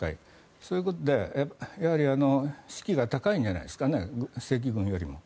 そういうことで士気が高いんじゃないですかね正規軍よりも。